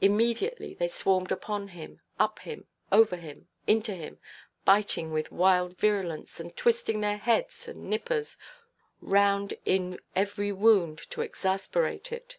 Immediately they swarmed upon him, up him, over him, into him, biting with wild virulence, and twisting their heads and nippers round in every wound to exasperate it.